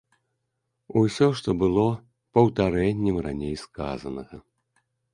Усё, што было, паўтарэннем раней сказанага.